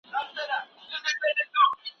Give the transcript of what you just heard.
پروردګار په هر څه خبر دی.